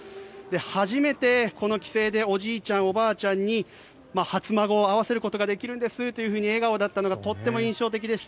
初めてこの帰省でおじいちゃん、おばあちゃんに初孫を会わせることができるんですと笑顔だったのがとっても印象的でした。